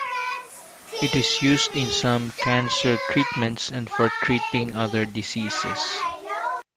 It is used in some cancer treatments and for treating other diseases.